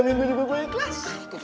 tiga minggu juga gue ikhlas